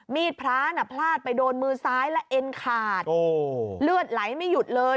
มีดพระน่ะพลาดไปโดนมือซ้ายและเอ็นขาดเลือดไหลไม่หยุดเลย